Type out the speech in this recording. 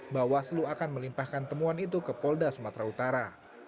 bawaslu akan melimpahkan temuan itu ke polda sumatera utara